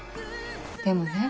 でもね